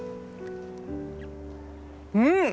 うん！